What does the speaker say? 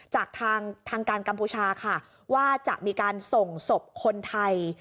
จากทางการกัมพูชาค่ะว่าจะมีการส่งศพคนไทย